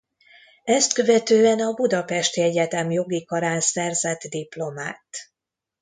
Ezt követően a budapesti egyetem jogi karán szerzett diplomát.